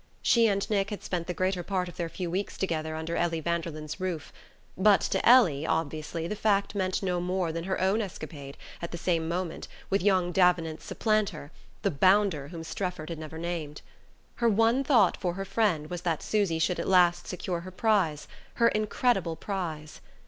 She and Nick had spent the greater part of their few weeks together under Ellie Vanderlyn's roof; but to Ellie, obviously, the fact meant no more than her own escapade, at the same moment, with young Davenant's supplanter the "bounder" whom Strefford had never named. Her one thought for her friend was that Susy should at last secure her prize her incredible prize.